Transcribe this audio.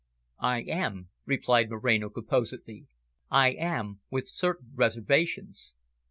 "I am," replied Moreno composedly. "I am with certain reservations."